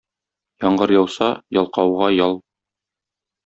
Яңгыр яуса - ялкауга ял.